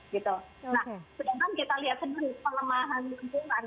nah sedangkan kita lihat sendiri pelemahan lingkungan